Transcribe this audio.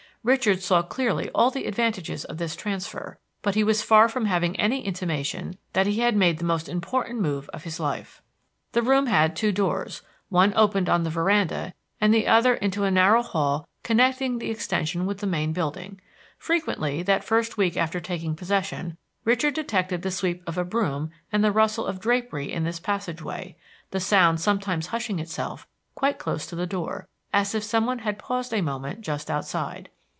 Richard saw clearly all the advantages of this transfer, but he was far form having any intimation that he had made the most important move of his life. The room had two doors: one opened on the veranda, and the other into a narrow hall connecting the extension with the main building. Frequently, that first week after taking possession, Richard detected the sweep of a broom and the rustle of drapery in this passage way, the sound sometimes hushing itself quite close to the door, as if some one had paused a moment just outside.